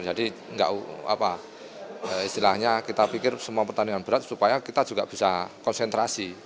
jadi istilahnya kita pikir semua pertandingan berat supaya kita juga bisa konsentrasi